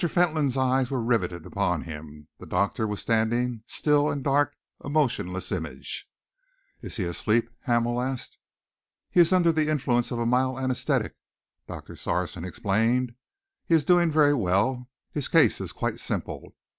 Fentolin's eyes were riveted upon him. The doctor was standing, still and dark, a motionless image. "Is he asleep?" Hamel asked. "He is under the influence of a mild anaesthetic," Doctor Sarson explained. "He is doing very well. His case is quite simple.